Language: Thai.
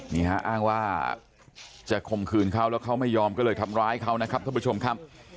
นี่ฮะอ้างว่าจะข่มขืนเขาแล้วเขาไม่ยอมก็เลยทำร้ายเขานะครับท่านผู้ชมครับ